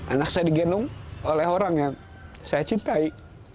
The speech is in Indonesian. anak saya digenung oleh orang yang saya cintai